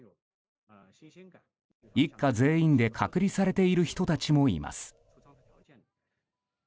一家全員で隔離されている人たちもいます。